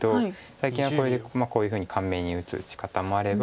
最近はこれでこういうふうに簡明に打つ打ち方もあれば。